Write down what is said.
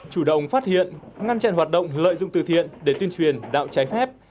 chủ động phát hiện ngăn chặn hoạt động lợi dụng từ thiện để tuyên truyền đạo trái phép